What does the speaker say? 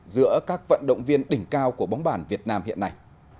giữa các vận động viên đỉnh cao của bóng bàn việt nam hiện nay